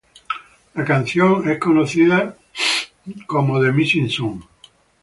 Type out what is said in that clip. La canción es conocida como ""The Missing Song"".